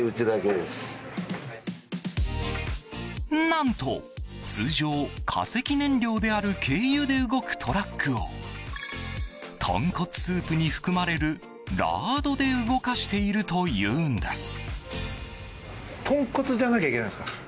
何と、通常化石燃料である軽油で動くトラックを豚骨スープに含まれるラードで動かしているというんです。